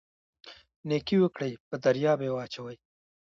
نیکي وکړئ په دریاب یې واچوئ